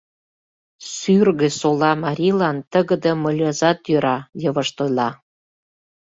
Сӱргӧсола марийлан тыгыде мыльызат йӧра, — йывышт ойла.